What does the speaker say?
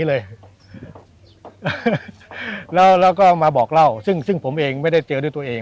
แล้วก็มาบอกเล่าซึ่งซึ่งผมเองไม่ได้เจอด้วยตัวเอง